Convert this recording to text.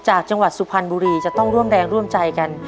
จากจังหวัดสุพรรณบุรีจะต้องร่วมแรงร่วมใจกัน